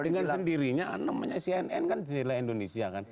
ini kan sendirinya cnn kan jendela indonesia kan